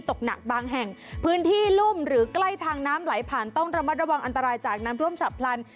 ตกหนักบางแห่งพื้นที่รุ่มหรือใกล้ทางน้ำไหลผ่านต้องระมัดระวังอันตรายจากน้ำท่วมฉับพลัน